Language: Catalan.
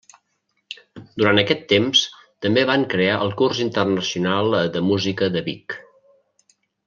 Durant aquest temps també van crear el Curs Internacional de Música de Vic.